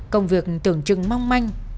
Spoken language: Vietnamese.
công việc tưởng trưng mong manh